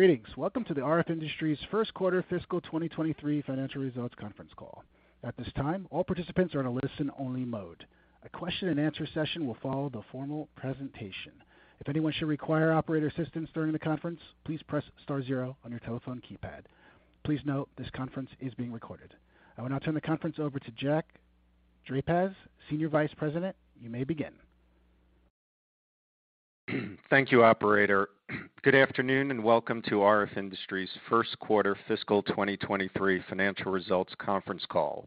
Greetings. Welcome to the RF Industries first quarter fiscal 2023 financial results conference call. At this time, all participants are in a listen-only mode. A question and answer session will follow the formal presentation. If anyone should require operator assistance during the conference, please press star zero on your telephone keypad. Please note this conference is being recorded. I will now turn the conference over to Jack Drapacz, Senior Vice President. You may begin. Thank you, operator. Good afternoon, and welcome to RF Industries first quarter fiscal 2023 financial results conference call.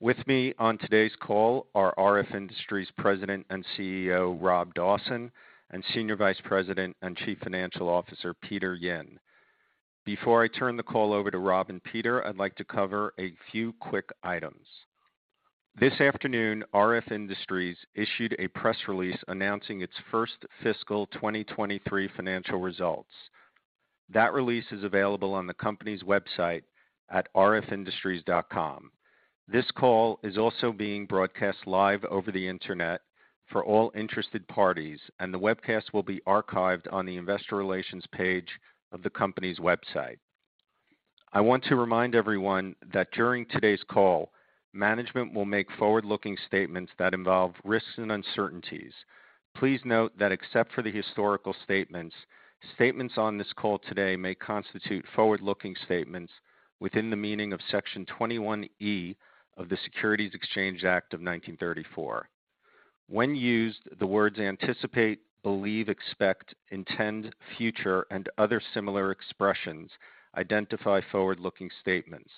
With me on today's call are RF Industries President and CEO, Rob Dawson, and Senior Vice President and Chief Financial Officer, Peter Yin. Before I turn the call over to Rob and Peter, I'd like to cover a few quick items. This afternoon, RF Industries issued a press release announcing its first fiscal 2023 financial results. That release is available on the company's website at rfindustries.com. This call is also being broadcast live over the Internet for all interested parties, and the webcast will be archived on the investor relations page of the company's website. I want to remind everyone that during today's call, management will make forward-looking statements that involve risks and uncertainties. Please note that except for the historical statements on this call today may constitute forward-looking statements within the meaning of Section 21E of the Securities Exchange Act of 1934. When used, the words anticipate, believe, expect, intend, future, and other similar expressions identify forward-looking statements.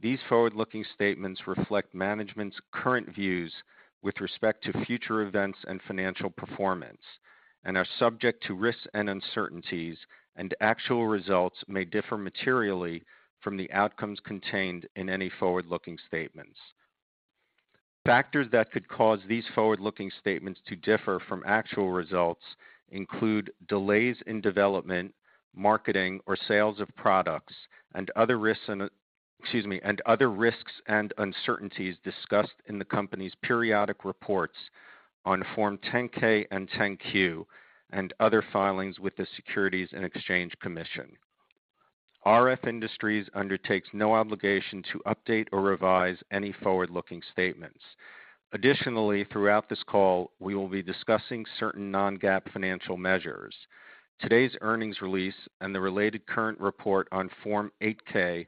These forward-looking statements reflect management's current views with respect to future events and financial performance and are subject to risks and uncertainties. Actual results may differ materially from the outcomes contained in any forward-looking statements. Factors that could cause these forward-looking statements to differ from actual results include delays in development, marketing, or sales of products, excuse me, and other risks and uncertainties discussed in the company's periodic reports on Form 10-K and 10-Q and other filings with the Securities and Exchange Commission. RF Industries undertakes no obligation to update or revise any forward-looking statements. Additionally, throughout this call, we will be discussing certain non-GAAP financial measures. Today's earnings release and the related current report on Form 8-K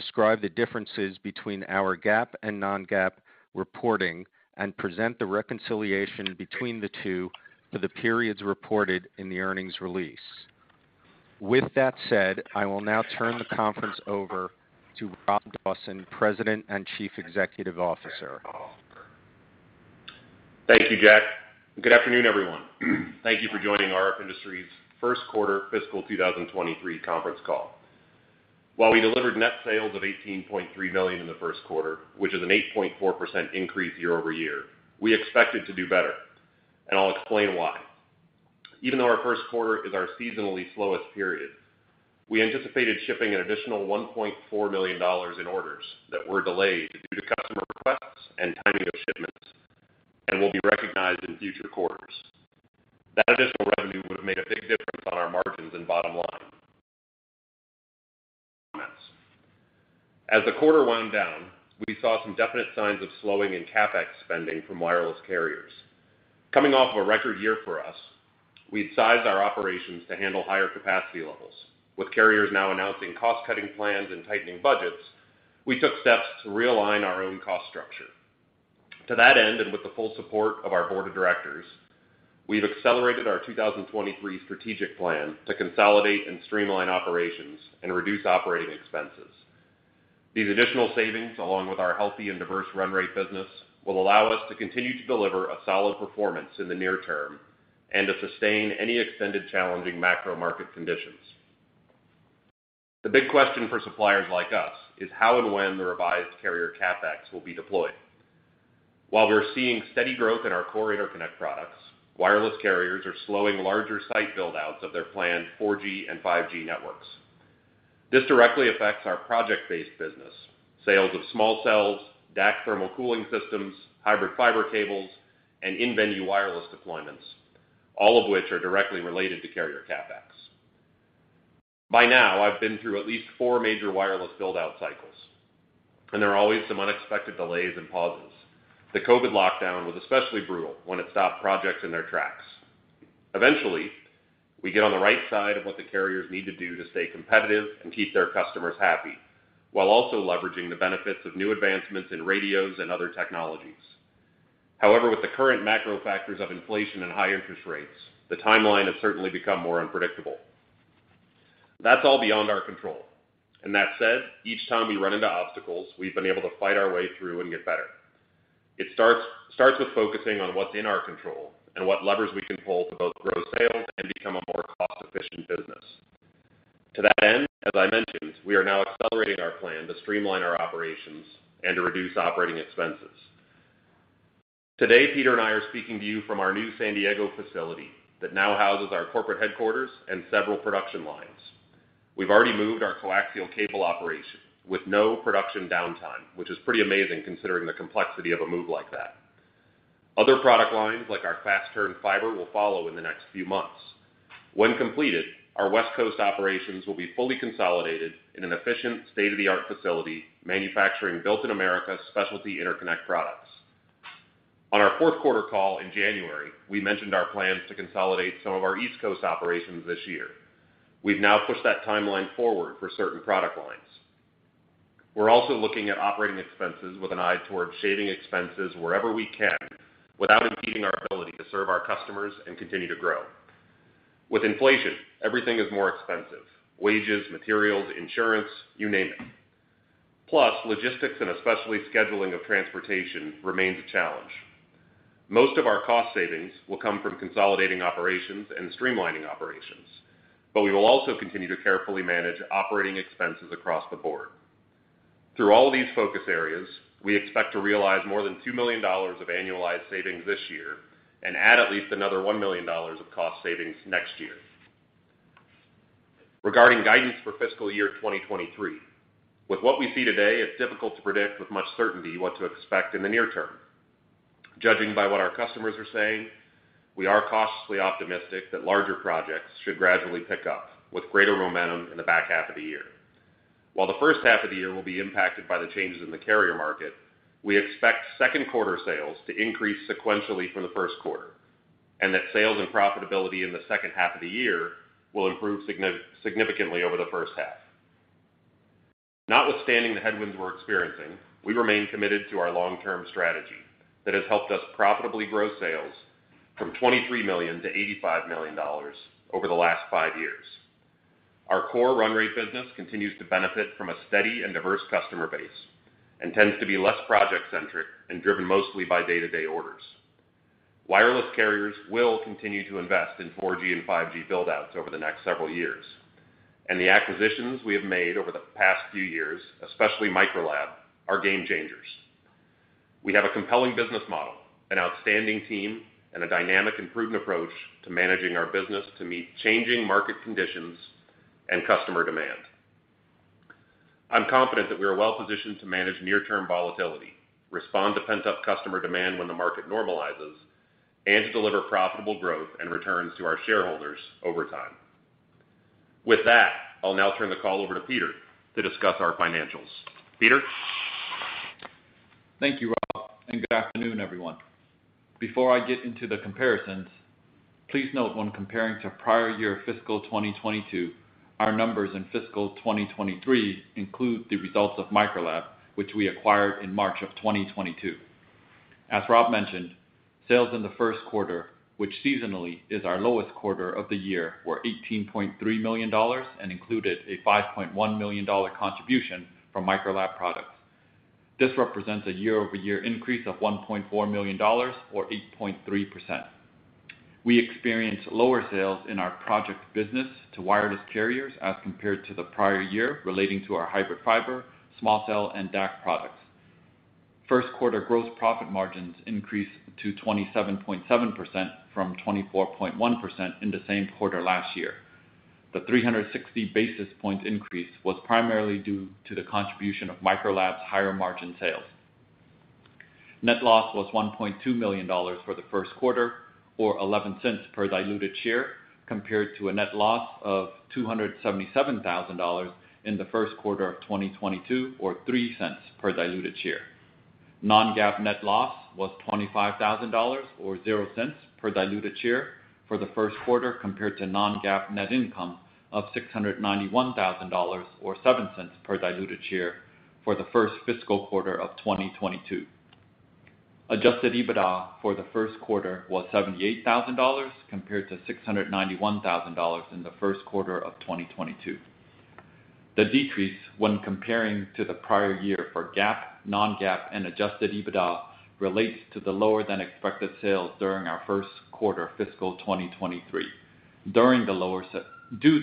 describe the differences between our GAAP and non-GAAP reporting and present the reconciliation between the two for the periods reported in the earnings release. With that said, I will now turn the conference over to Rob Dawson, President and Chief Executive Officer. Thank you, Jack. Good afternoon, everyone. Thank you for joining RF Industries first quarter fiscal 2023 conference call. While we delivered net sales of $18.3 million in the first quarter, which is an 8.4% increase year-over-year, we expected to do better. I'll explain why. Even though our first quarter is our seasonally slowest period, we anticipated shipping an additional $1.4 million in orders that were delayed due to customer requests and timing of shipments and will be recognized in future quarters. That additional revenue would have made a big difference on our margins and bottom line. As the quarter wound down, we saw some definite signs of slowing in CapEx spending from wireless carriers. Coming off a record year for us, we'd sized our operations to handle higher capacity levels. With carriers now announcing cost-cutting plans and tightening budgets, we took steps to realign our own cost structure. To that end, and with the full support of our board of directors, we've accelerated our 2023 strategic plan to consolidate and streamline operations and reduce operating expenses. These additional savings, along with our healthy and diverse run rate business, will allow us to continue to deliver a solid performance in the near term and to sustain any extended challenging macro market conditions. The big question for suppliers like us is how and when the revised carrier CapEx will be deployed. While we're seeing steady growth in our core interconnect products, wireless carriers are slowing larger site build-outs of their planned 4G and 5G networks. This directly affects our project-based business, sales of small cells, DAC thermal cooling systems, hybrid fiber cables, and in-venue wireless deployments, all of which are directly related to carrier CapEx. By now, I've been through at least four major wireless build-out cycles, there are always some unexpected delays and pauses. The COVID lockdown was especially brutal when it stopped projects in their tracks. Eventually, we get on the right side of what the carriers need to do to stay competitive and keep their customers happy, while also leveraging the benefits of new advancements in radios and other technologies. However, with the current macro factors of inflation and high interest rates, the timeline has certainly become more unpredictable. That's all beyond our control. That said, each time we run into obstacles, we've been able to fight our way through and get better. It starts with focusing on what's in our control and what levers we can pull to both grow sales and become a more cost-efficient business. To that end, as I mentioned, we are now accelerating our plan to streamline our operations and to reduce operating expenses. Today, Peter and I are speaking to you from our new San Diego facility that now houses our corporate headquarters and several production lines. We've already moved our coaxial cable operation with no production downtime, which is pretty amazing considering the complexity of a move like that. Other product lines, like our fast-turn fiber, will follow in the next few months. When completed, our West Coast operations will be fully consolidated in an efficient state-of-the-art facility manufacturing built in America specialty interconnect products. On our fourth quarter call in January, we mentioned our plans to consolidate some of our East Coast operations this year. We've now pushed that timeline forward for certain product lines. We're also looking at operating expenses with an eye towards shaving expenses wherever we can without impeding our ability to serve our customers and continue to grow. With inflation, everything is more expensive, wages, materials, insurance, you name it. Logistics, and especially scheduling of transportation, remains a challenge. Most of our cost savings will come from consolidating operations and streamlining operations, but we will also continue to carefully manage operating expenses across the board. Through all these focus areas, we expect to realize more than $2 million of annualized savings this year and add at least another $1 million of cost savings next year. Regarding guidance for fiscal year 2023, with what we see today, it's difficult to predict with much certainty what to expect in the near term. Judging by what our customers are saying, we are cautiously optimistic that larger projects should gradually pick up with greater momentum in the back half of the year. While the first half of the year will be impacted by the changes in the carrier market, we expect second quarter sales to increase sequentially from the first quarter, and that sales and profitability in the second half of the year will improve significantly over the first half. Notwithstanding the headwinds we're experiencing, we remain committed to our long-term strategy that has helped us profitably grow sales from $23 million to $85 million over the last five years. Our core run rate business continues to benefit from a steady and diverse customer base and tends to be less project-centric and driven mostly by day-to-day orders. The acquisitions we have made over the past few years, especially Microlab, are game changers. We have a compelling business model, an outstanding team, and a dynamic and prudent approach to managing our business to meet changing market conditions and customer demand. I'm confident that we are well-positioned to manage near-term volatility, respond to pent-up customer demand when the market normalizes, and to deliver profitable growth and returns to our shareholders over time. I'll now turn the call over to Peter to discuss our financials. Peter? Thank you, Rob, and good afternoon, everyone. Before I get into the comparisons, please note when comparing to prior year fiscal 2022, our numbers in fiscal 2023 include the results of Microlab, which we acquired in March of 2022. As Rob mentioned, sales in the first quarter, which seasonally is our lowest quarter of the year, were $18.3 million and included a $5.1 million contribution from Microlab products. This represents a year-over-year increase of $1.4 million or 8.3%. We experienced lower sales in our project business to wireless carriers as compared to the prior year relating to our hybrid fiber, small cell, and DAC products. First quarter gross profit margins increased to 27.7% from 24.1% in the same quarter last year. The 360 basis points increase was primarily due to the contribution of Microlab's higher margin sales. Net loss was $1.2 million for the first quarter, or $0.11 per diluted share, compared to a net loss of $277,000 in the first quarter of 2022, or $0.03 per diluted share. non-GAAP net loss was $25,000 or $0.00 per diluted share for the first quarter, compared to non-GAAP net income of $691,000 or $0.07 per diluted share for the first fiscal quarter of 2022. Adjusted EBITDA for the first quarter was $78,000, compared to $691,000 in the first quarter of 2022. The decrease when comparing to the prior year for GAAP, non-GAAP and Adjusted EBITDA relates to the lower than expected sales during our first quarter fiscal 2023. Due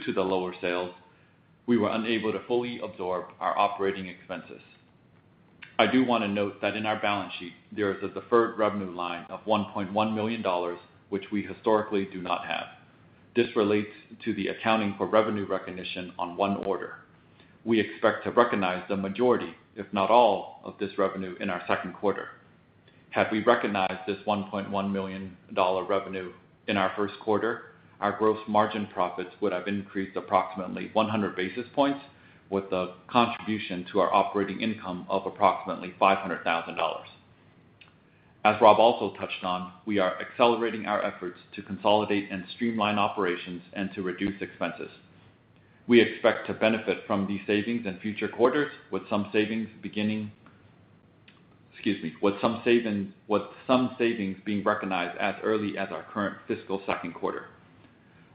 to the lower sales, we were unable to fully absorb our operating expenses. I do want to note that in our balance sheet, there is a deferred revenue line of $1.1 million, which we historically do not have. This relates to the accounting for revenue recognition on one order. We expect to recognize the majority, if not all, of this revenue in our second quarter. Had we recognized this $1.1 million revenue in our first quarter, our gross margin profits would have increased approximately 100 basis points, with a contribution to our operating income of approximately $500,000. As Rob also touched on, we are accelerating our efforts to consolidate and streamline operations and to reduce expenses. We expect to benefit from these savings in future quarters with some savings being recognized as early as our current fiscal second quarter.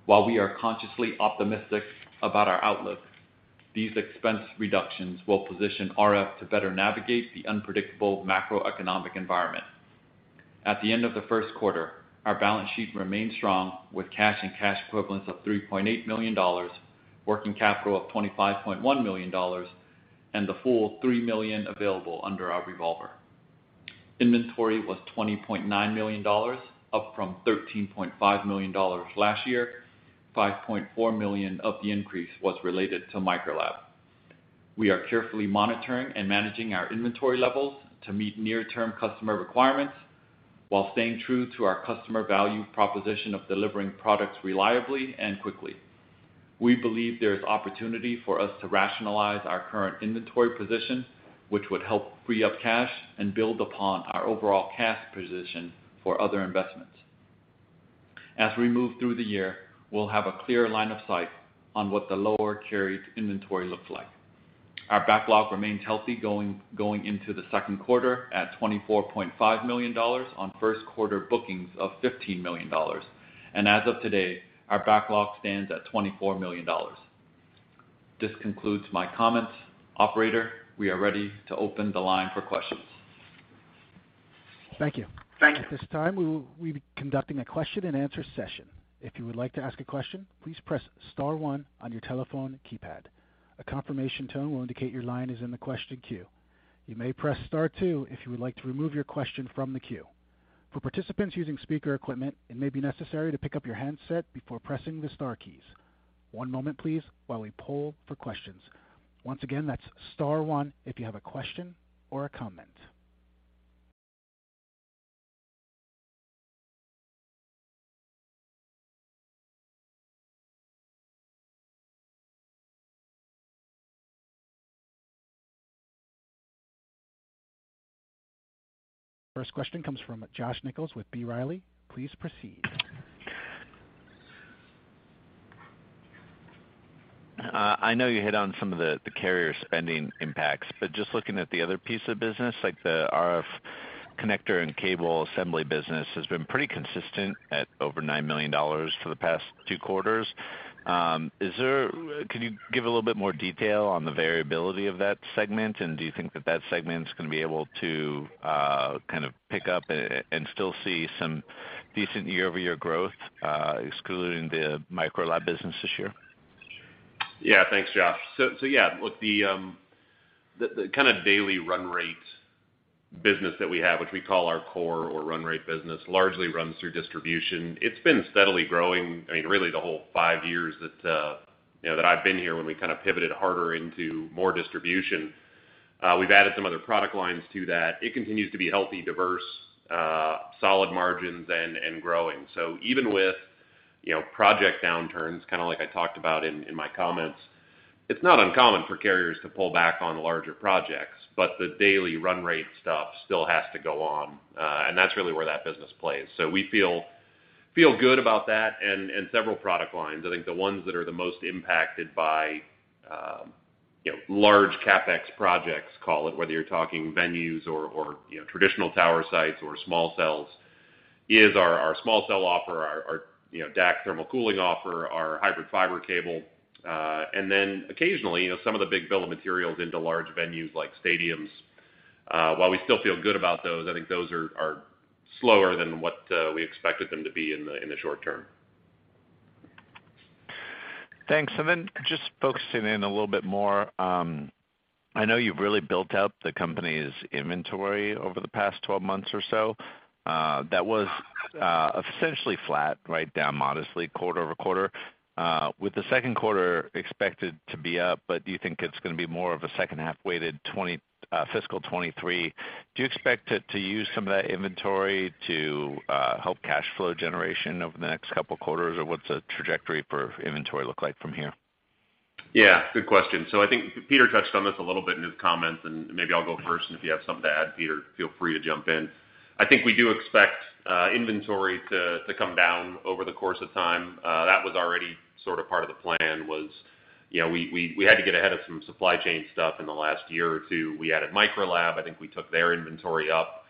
While we are consciously optimistic about our outlook, these expense reductions will position RF to better navigate the unpredictable macroeconomic environment. At the end of the first quarter, our balance sheet remained strong with cash and cash equivalents of $3.8 million, working capital of $25.1 million, and the full $3 million available under our revolver. Inventory was $20.9 million, up from $13.5 million last year. $5.4 million of the increase was related to Microlab. We are carefully monitoring and managing our inventory levels to meet near-term customer requirements while staying true to our customer value proposition of delivering products reliably and quickly. We believe there is opportunity for us to rationalize our current inventory position, which would help free up cash and build upon our overall cash position for other investments. As we move through the year, we'll have a clear line of sight on what the lower carried inventory looks like. Our backlog remains healthy going into the second quarter at $24.5 million on first quarter bookings of $15 million. As of today, our backlog stands at $24 million. This concludes my comments. Operator, we are ready to open the line for questions. Thank you. Thank you. At this time, we will be conducting a question-and-answer session. If you would like to ask a question, please press star one on your telephone keypad. A confirmation tone will indicate your line is in the question queue. You may press star two if you would like to remove your question from the queue. For participants using speaker equipment, it may be necessary to pick up your handset before pressing the star keys. One moment, please, while we poll for questions. Once again, that's star one if you have a question or a comment. First question comes from Josh Nichols with B. Riley. Please proceed. I know you hit on some of the carrier spending impacts, Just looking at the other piece of business, like the RF connector and cable assembly business has been pretty consistent at over $9 million for the past 2 quarters. Can you give a little bit more detail on the variability of that segment? Do you think that segment is gonna be able to kind of pick up and still see some decent year-over-year growth, excluding the Microlab business this year? Yeah. Thanks, Josh. Yeah, with the kind of daily run rate business that we have, which we call our core or run rate business, largely runs through distribution. It's been steadily growing, I mean, really the whole five years that, you know, that I've been here when we kind of pivoted harder into more distribution. We've added some other product lines to that. It continues to be healthy, diverse, solid margins and growing. Even with, you know, project downturns, kind of like I talked about in my comments, it's not uncommon for carriers to pull back on larger projects, but the daily run rate stuff still has to go on. That's really where that business plays. We feel good about that and several product lines. I think the ones that are the most impacted by, you know, large CapEx projects, call it, whether you're talking venues or, you know, traditional tower sites or small cells, is our small cell offer, our, you know, DAC thermal cooling offer, our hybrid fiber cable, and then occasionally, you know, some of the big bill of materials into large venues like stadiums. While we still feel good about those, I think those are slower than what we expected them to be in the short term. Thanks. Just focusing in a little bit more, I know you've really built out the company's inventory over the past 12 months or so. That was essentially flat, right, down modestly quarter-over-quarter, with the second quarter expected to be up. Do you think it's gonna be more of a second half weighted fiscal 2023? Do you expect to use some of that inventory to help cash flow generation over the next couple quarters? What's the trajectory for inventory look like from here? Yeah, good question. I think Peter touched on this a little bit in his comments, and maybe I'll go first. If you have something to add, Peter, feel free to jump in. I think we do expect inventory to come down over the course of time. That was already sort of part of the plan was, you know, we had to get ahead of some supply chain stuff in the last year or two. We added Microlab. I think we took their inventory up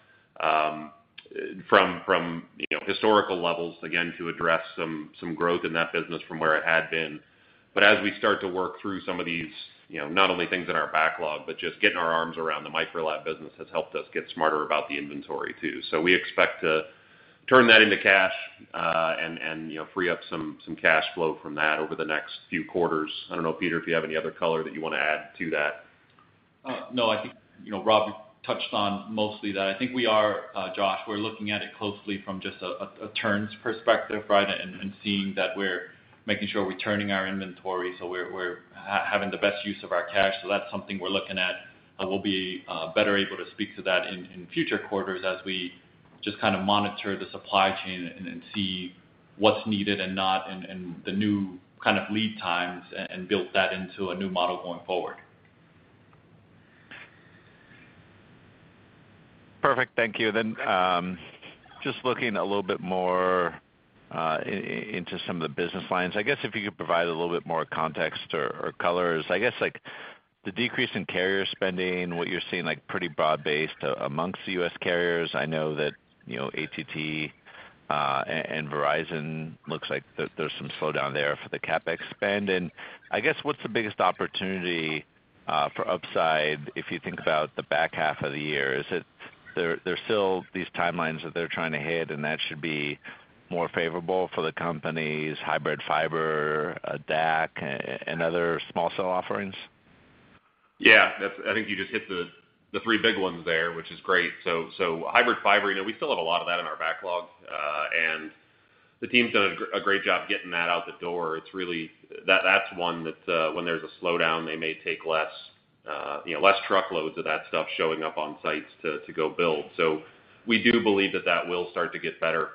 from, you know, historical levels, again, to address some growth in that business from where it had been. As we start to work through some of these, you know, not only things in our backlog, but just getting our arms around the Microlab business has helped us get smarter about the inventory too. we expect to turn that into cash, and, you know, free up some cash flow from that over the next few quarters. I don't know, Peter, if you have any other color that you wanna add to that. No. I think, you know, Rob touched on mostly that. I think we are, Josh, we're looking at it closely from just a turns perspective, right? seeing that we're making sure we're turning our inventory, so we're having the best use of our cash. that's something we're looking at, and we'll be better able to speak to that in future quarters as we just kind of monitor the supply chain and then see what's needed and not in the new kind of lead times and build that into a new model going forward. Perfect. Thank you. Just looking a little bit more into some of the business lines. I guess if you could provide a little bit more context or color. I guess, like the decrease in carrier spending, what you're seeing, like pretty broad-based amongst the US carriers. I know that, you know, AT&T and Verizon looks like there's some slowdown there for the CapEx spend. I guess, what's the biggest opportunity for upside if you think about the back half of the year? Is it there's still these timelines that they're trying to hit, and that should be more favorable for the company's hybrid fiber, DAC and other small cell offerings? Yeah. That's I think you just hit the three big ones there, which is great. hybrid fiber, you know, we still have a lot of that in our backlog. The team's done a great job getting that out the door. It's really That's one that, when there's a slowdown, they may take less, you know, less truckloads of that stuff showing up on sites to go build. We do believe that that will start to get better.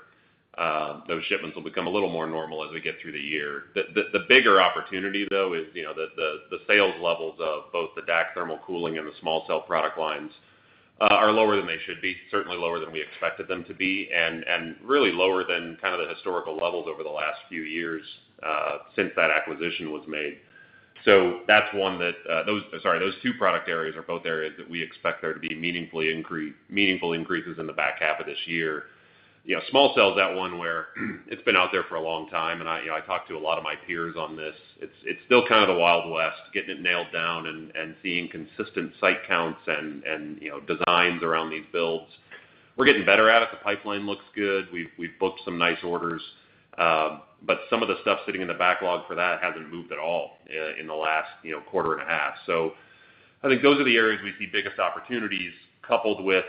Those shipments will become a little more normal as we get through the year. The bigger opportunity, though, is, you know, the sales levels of both the DAC thermal cooling and the small cell product lines are lower than they should be, certainly lower than we expected them to be, and really lower than kind of the historical levels over the last few years since that acquisition was made. That's one that those 2 product areas are both areas that we expect there to be meaningful increases in the back half of this year. You know, small cell is that one where it's been out there for a long time, and I, you know, I talk to a lot of my peers on this. It's still kind of the Wild West, getting it nailed down and seeing consistent site counts and, you know, designs around these builds. We're getting better at it. The pipeline looks good. We've booked some nice orders. Some of the stuff sitting in the backlog for that hasn't moved at all in the last, you know, quarter and a half. I think those are the areas we see biggest opportunities coupled with,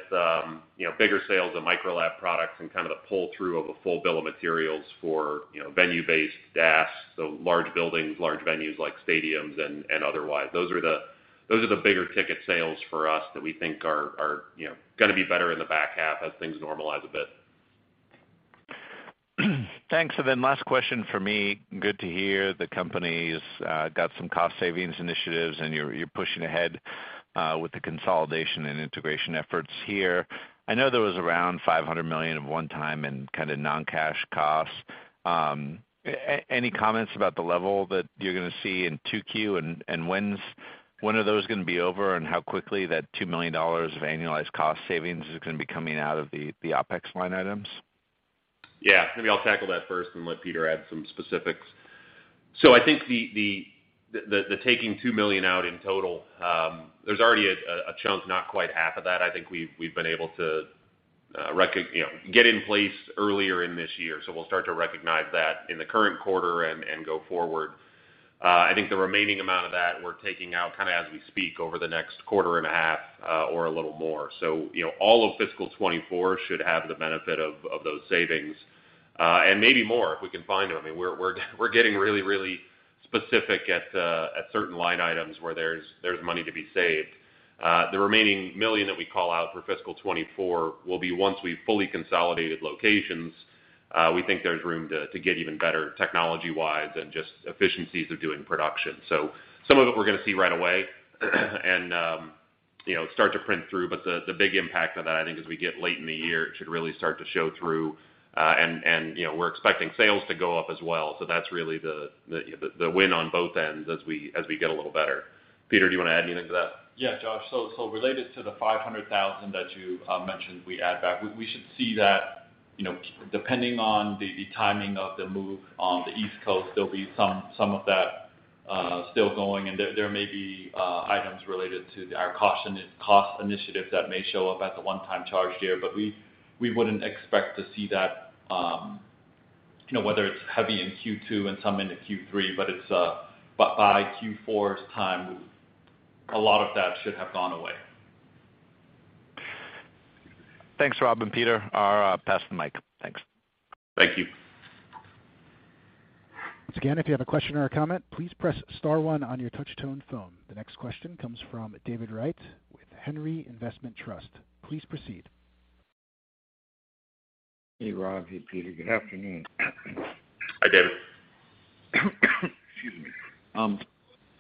you know, bigger sales of Microlab products and kind of the pull-through of a full bill of materials for, you know, venue-based DAS, large buildings, large venues like stadiums and otherwise. Those are the bigger ticket sales for us that we think are, you know, gonna be better in the back half as things normalize a bit. Thanks. Last question for me. Good to hear the company's got some cost savings initiatives, and you're pushing ahead, with the consolidation and integration efforts here. I know there was around $500 million of one-time and kinda non-cash costs. Any comments about the level that you're gonna see in 2Q, and when's, when are those gonna be over and how quickly that $2 million of annualized cost savings is gonna be coming out of the OpEx line items? Yeah. Maybe I'll tackle that first and let Peter add some specifics. I think the taking $2 million out in total, there's already a chunk, not quite half of that, I think we've been able to, you know, get in place earlier in this year, so we'll start to recognize that in the current quarter and go forward. I think the remaining amount of that we're taking out kinda as we speak over the next quarter and a half, or a little more. You know, all of fiscal 2024 should have the benefit of those savings, and maybe more if we can find them. I mean, we're getting really specific at certain line items where there's money to be saved. The remaining $1 million that we call out for fiscal 2024 will be once we've fully consolidated locations, we think there's room to get even better technology-wise and just efficiencies of doing production. Some of it we're gonna see right away, and, you know, start to print through. The big impact of that, I think, as we get late in the year, it should really start to show through. You know, we're expecting sales to go up as well. That's really the win on both ends as we get a little better. Peter, do you wanna add anything to that? Josh. Related to the $500,000 that you mentioned we add back, we should see that, you know, depending on the timing of the move on the East Coast, there'll be some of that still going. There may be items related to our cost initiative that may show up as a one-time charge here. We wouldn't expect to see that, you know, whether it's heavy in Q2 and some into Q3, but it's by Q4's time, a lot of that should have gone away. Thanks, Rob and Peter. I'll pass the mic. Thanks. Thank you. Once again, if you have a question or a comment, please press star one on your touch-tone phone. The next question comes from David Wright with Henry Investment Trust. Please proceed. Hey, Rob. Hey, Peter. Good afternoon. Hi, David. Excuse me.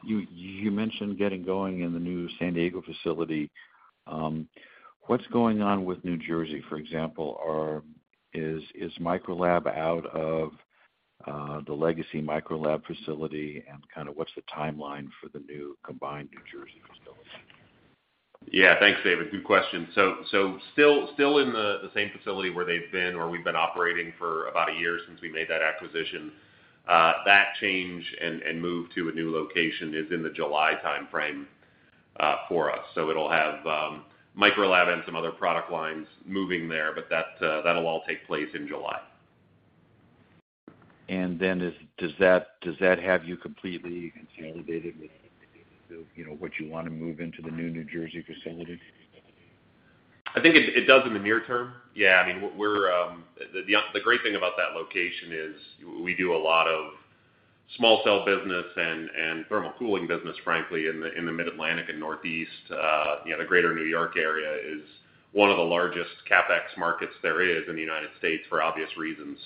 You mentioned getting going in the new San Diego facility. What's going on with New Jersey, for example? Is Microlab out of the legacy Microlab facility and kinda what's the timeline for the new combined New Jersey facility? Yeah. Thanks, David. Good question. Still in the same facility where they've been or we've been operating for about a year since we made that acquisition. That change and move to a new location is in the July timeframe for us. It'll have Microlab and some other product lines moving there, but that that'll all take place in July. Then does that have you completely consolidated with, you know, what you wanna move into the new New Jersey facility? I think it does in the near term. Yeah, I mean, we're The great thing about that location is we do a lot of small cell business and thermal cooling business, frankly, in the Mid-Atlantic and Northeast. You know, the greater New York area is one of the largest CapEx markets there is in the United States for obvious reasons.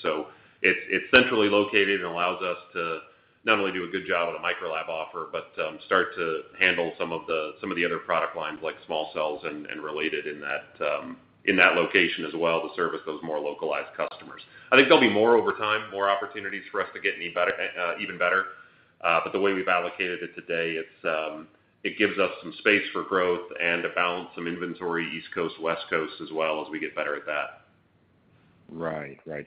It's centrally located and allows us to not only do a good job with a Microlab offer, but start to handle some of the other product lines like small cells and related in that location as well to service those more localized customers. I think there'll be more over time, more opportunities for us to get any better, even better. The way we've allocated it today, it's, it gives us some space for growth and to balance some inventory East Coast, West Coast as well as we get better at that. Right. Right.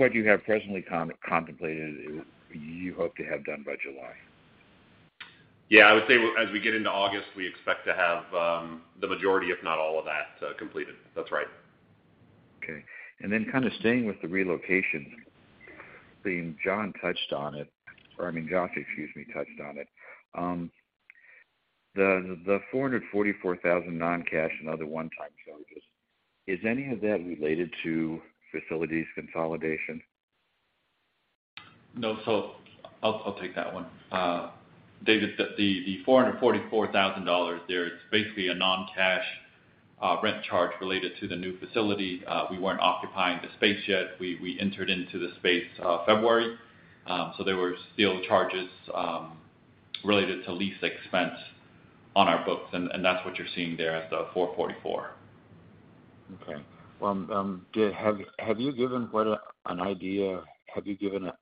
What you have presently contemplated, you hope to have done by July? I would say as we get into August, we expect to have, the majority, if not all of that, completed. That's right. Okay. Kinda staying with the relocation I think John touched on it, or I mean, Josh, excuse me, touched on it. the $444,000 non-cash and other one-time charges, is any of that related to facilities consolidation? No. I'll take that one. David, the $444,000 there is basically a non-cash rent charge related to the new facility. We weren't occupying the space yet. We entered into the space February. There were still charges related to lease expense on our books, and that's what you're seeing there as the $444,000. Okay. Have you given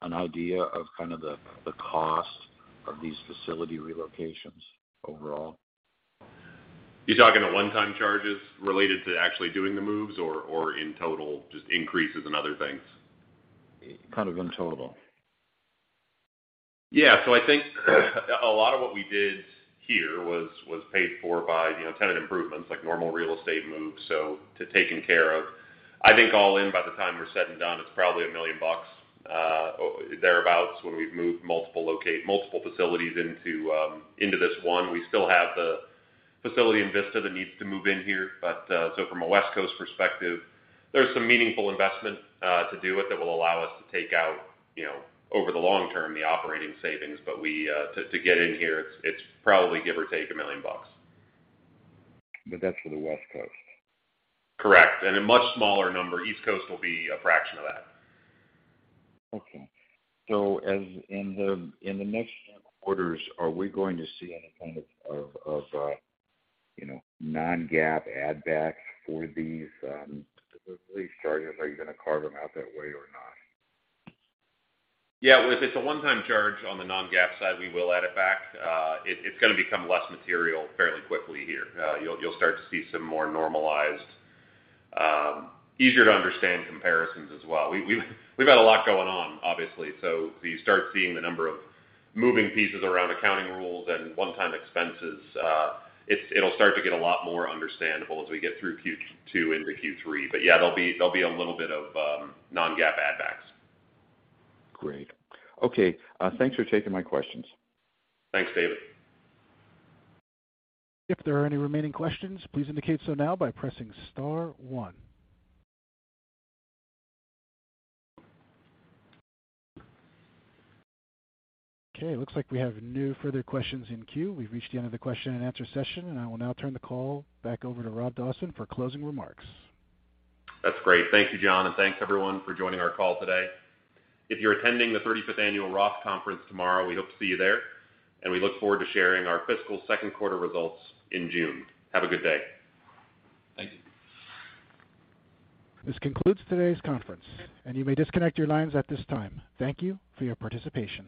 an idea of kind of the cost of these facility relocations overall? You talking the one-time charges related to actually doing the moves or in total just increases in other things? Kind of in total. Yeah. I think a lot of what we did here was paid for by, you know, tenant improvements, like normal real estate moves, so to taken care of. I think all in by the time we're said and done, it's probably $1 million or thereabout when we've moved multiple facilities into this one. We still have the facility in Vista that needs to move in here. From a West Coast perspective, there's some meaningful investment to do it that will allow us to take out, you know, over the long term, the operating savings. We to get in here, it's probably give or take $1 million. That's for the West Coast. Correct. A much smaller number, East Coast will be a fraction of that. Okay. As in the next quarters, are we going to see any kind of, you know, non-GAAP add back for these lease charges? Are you gonna carve them out that way or not? Yeah, if it's a one-time charge on the non-GAAP side, we will add it back. It's gonna become less material fairly quickly here. You'll start to see some more normalized, easier to understand comparisons as well. We've had a lot going on, obviously. As you start seeing the number of moving pieces around accounting rules and one-time expenses, it'll start to get a lot more understandable as we get through Q2 into Q3. Yeah, there'll be a little bit of non-GAAP add backs. Great. Okay, thanks for taking my questions. Thanks, David. If there are any remaining questions, please indicate so now by pressing star one. Okay, it looks like we have no further questions in queue. We've reached the end of the question and answer session. I will now turn the call back over to Rob Dawson for closing remarks. That's great. Thank you, John. Thanks everyone for joining our call today. If you're attending the 35th Annual Roth Conference tomorrow, we hope to see you there, and we look forward to sharing our fiscal second quarter results in June. Have a good day. Thank you. This concludes today's conference, and you may disconnect your lines at this time. Thank you for your participation.